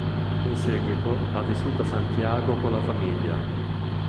In seguito ha vissuto a Santiago con la famiglia.